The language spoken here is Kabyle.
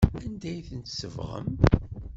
Anda ay tent-tsebɣem?